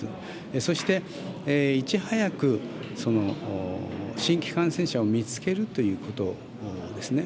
そして、いち早く新規感染者を見つけるということですね。